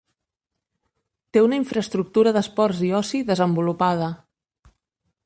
Té una infraestructura d'esports i oci desenvolupada.